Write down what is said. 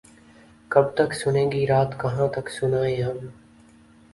کب تک سنے گی رات کہاں تک سنائیں ہم